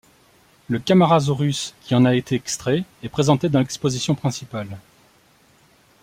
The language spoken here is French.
Le Camarasaurus qui en a été extrait est présenté dans l'exposition principale.